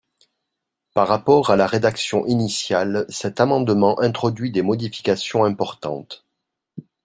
Par rapport à la rédaction initiale, cet amendement introduit des modifications importantes.